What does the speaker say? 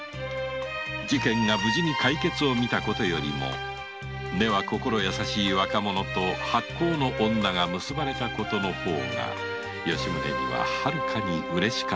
事件が無事解決した事よりも根は心優しい若者と薄幸の女が結ばれた事の方が吉宗にははるかにうれしかったのである